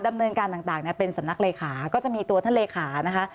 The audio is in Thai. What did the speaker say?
ดำเนินการต่างเป็นสำนักเลขาก็จะมีตัวท่านเลขานะคะ